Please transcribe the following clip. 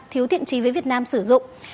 thiếu thiện trí với việt nam sử dụng